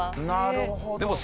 なるほど。